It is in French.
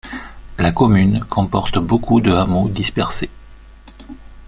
La commune comporte beaucoup de hameaux dispersés.